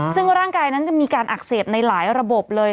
ซึ่งร่างกายนั้นจะมีการอักเสบในหลายระบบเลย